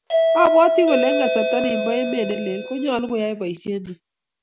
Abwati kole eng kasarta ni nebo emet ne lel ko nyalo koyae boiset ne